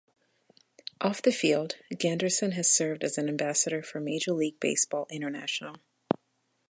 Off the field, Granderson has served as an ambassador for Major League Baseball International.